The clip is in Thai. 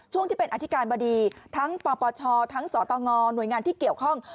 ช่วงที่เป็นอธิการบดีทั้งปปชทั้งสตงหน่วยงานที่เกี่ยวข้อง